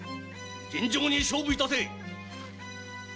尋常に勝負いたせ。